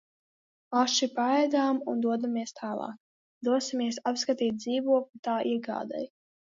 Aši paēdam un dodamies tālāk - dosimies apskatīt dzīvokli tā iegādei.